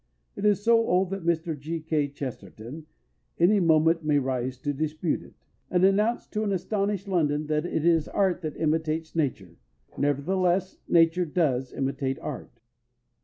It is so old that Mr. G. K. Chesterton any moment may rise to dispute it, and announce to an astonished London that it is Art that imitates Nature; nevertheless, Nature does imitate Art.